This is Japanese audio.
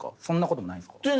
そんなこともないんすか？